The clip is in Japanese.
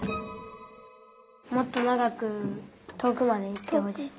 もっとながくとおくまでいってほしい。